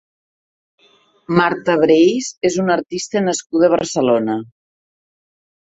Marta Breis és una artista nascuda a Barcelona.